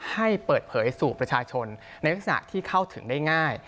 ให้เปิดเผยสู่ประชาชนในลักษณะที่เข้าถึงได้ง่าย